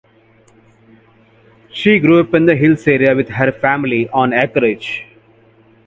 She grew up in the Hills Area with her family on Acreage.